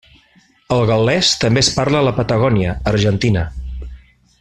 El gal·lès també es parla a la Patagònia, Argentina.